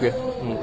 banyak nyamuk ya